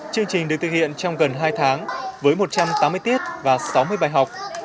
chương trình được thực hiện trong gần hai tháng với một trăm tám mươi tiết và sáu mươi bài học